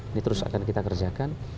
ini terus akan kita kerjakan